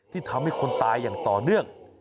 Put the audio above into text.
ทำให้คนตายอย่างต่อเนื่อง